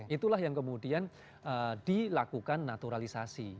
itulah yang kemudian dilakukan naturalisasi